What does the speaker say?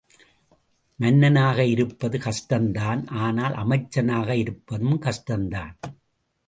மன்னனாக இருப்பது கஷ்டம்தான் ஆனால் அமைச்சனாக இருப்பதும் கஷ்டந்தான்!